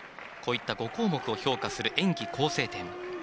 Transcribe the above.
こういった５項目を評価する演技構成点。